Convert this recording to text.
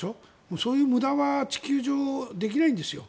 そういう無駄は地球上、できないんですよ。